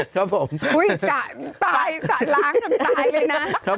ตายตายเลยนะ